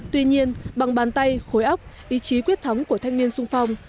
tuy nhiên bằng bàn tay khối ốc ý chí quyết thống của thanh niên sung phong